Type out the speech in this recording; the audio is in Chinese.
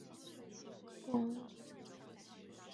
自云辽东人。